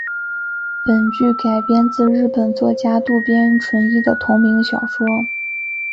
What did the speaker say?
本剧改编自日本作家渡边淳一的同名小说。